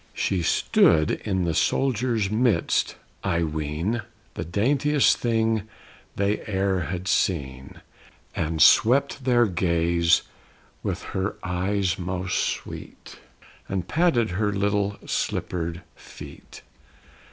She stood in the soldiers' midst, I ween, The daintiest thing they e'er had seen! And swept their gaze with her eyes most sweet, And patted her little slippered feet.